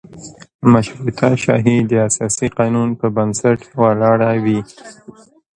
مشروطه شاهي د اساسي قانون په بنسټ ولاړه وي.